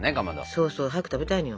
そうそう早く食べたいのよ。